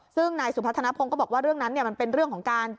ซึ่งนายสุพัฒนภงก็บอกว่าเรื่องนั้นมันเป็นเรื่องของการ